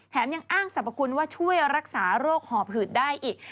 ยังอ้างสรรพคุณว่าช่วยรักษาโรคหอบหืดได้อีก